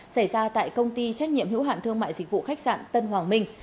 xảy ra tại công ty trách nhiệm hữu hạn thương mại dịch vụ khách sạn tân hoàng minh